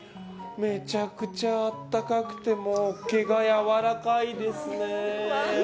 めちゃくちゃ温かくて毛がやわらかいですね。